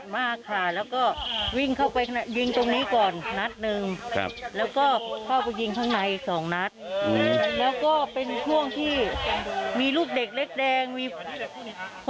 มันก็เป็นการกระทั่งที่อุปาต